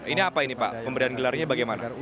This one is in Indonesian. ini apa ini pak pemberian gelarnya bagaimana